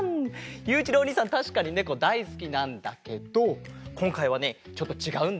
ゆういちろうおにいさんたしかにネコだいすきなんだけどこんかいはねちょっとちがうんだ。